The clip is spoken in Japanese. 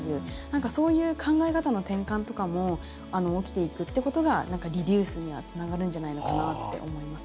何かそういう考え方の転換とかも起きていくってことが何かリデュースにはつながるんじゃないのかなって思いますね。